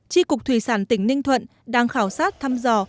tri cục thủy sản tỉnh ninh thuận đang khảo sát thăm dò